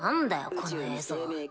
この映像。